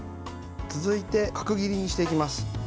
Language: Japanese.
続いて、角切りにしていきます。